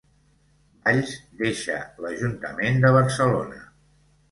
Valls deixa l'Ajuntament de Barcelona